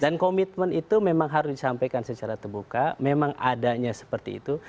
dan komitmen itu memang harus disampaikan secara terbuka memang adanya seperti itu